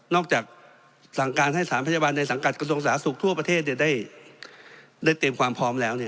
จากสั่งการให้สารพยาบาลในสังกัดกระทรวงสาธารณสุขทั่วประเทศได้เตรียมความพร้อมแล้ว